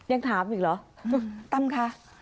ยังถามอีกเหรอตั้มคะ